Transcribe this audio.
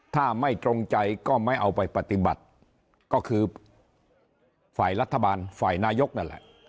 ถ้าไม่ตรงใจก็ไม่เอาไปปฏิบัติก็คือฝ่ายรัฐบาลฝ่ายนายกนั่นแหละ